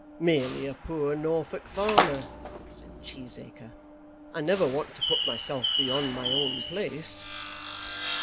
"Merely a poor Norfolk farmer," said Cheesacre. "I never want to put myself beyond my own place.